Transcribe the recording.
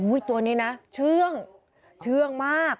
ตัวนี้นะเชื่องเชื่องมาก